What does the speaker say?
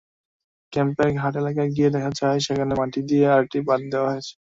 ক্যাম্পের ঘাট এলাকায় গিয়ে দেখা যায়, সেখানে মাটি দিয়ে আরেকটি বাঁধ দেওয়া হয়েছে।